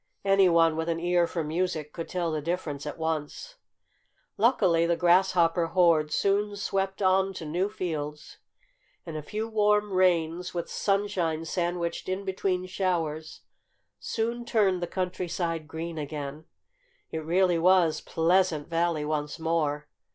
Anyone with an ear for music could tell the difference at once. Luckily the grasshopper horde soon swept on to new fields. And a few warm rains, with sunshine sandwiched in between showers, soon turned the countryside green again. It was really Pleasant Valley once more.